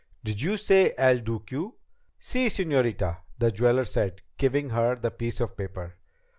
"Did you say El Duque?" "Sí, señorita," the jeweler said, giving her the piece of paper.